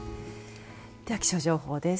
では気象情報です。